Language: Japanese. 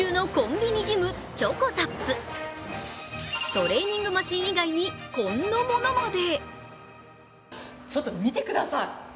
トレーニングマシン以外にこんなものまで。